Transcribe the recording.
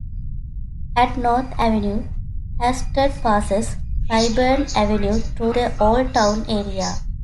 At North Avenue, Halsted passes Clybourn Avenue, through the Old Town area.